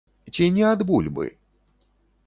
Ці не ад бульбы?